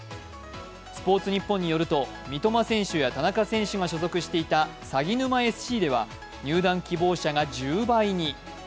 「スポーツニッポン」によると三笘選手や田中選手が所属していたさぎぬまＳＣでは入団希望者が１０倍に。